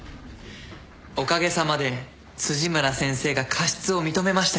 おかげさまで辻村先生が過失を認めましたよ。